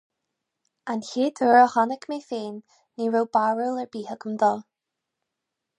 An chéad uair a chonaic mé féin, ní raibh barúil ar bith agam dó.